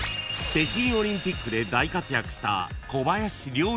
［北京オリンピックで大活躍した］